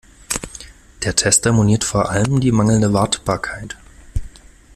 Der Tester moniert vor allem die mangelnde Wartbarkeit.